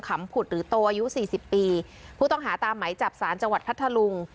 ผุดหรือโตอายุสี่สิบปีผู้ต้องหาตามไหมจับสารจังหวัดพัทธลุง